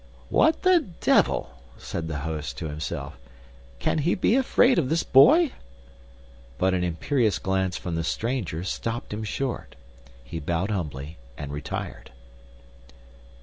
"What the devil!" said the host to himself. "Can he be afraid of this boy?" But an imperious glance from the stranger stopped him short; he bowed humbly and retired.